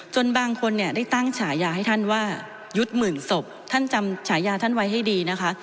บางคนเนี่ยได้ตั้งฉายาให้ท่านว่ายุทธ์หมื่นศพท่านจำฉายาท่านไว้ให้ดีนะคะ